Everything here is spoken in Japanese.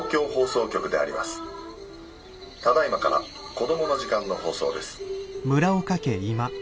ただいまから『コドモの時間』の放送です」。